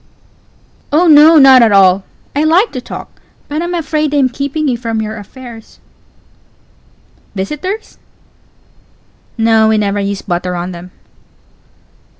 Oh no, not at all; I _like _to talk but I'm afraid I'm keeping you from your affairs. Pause. Visitors? Pause. No, we never use butter on them.